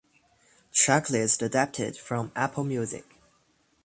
Track list adapted from Apple Music.